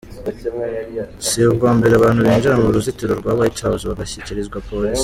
Si ubwa mbere abantu binjira mu ruzitiro rwa White House bagashyikirizwa polisi.